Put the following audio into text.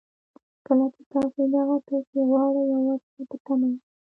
کله چې تاسې دغه پيسې غواړئ او ورته په تمه ياست.